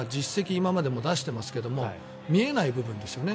今までも出していますけど見えない部分ですよね。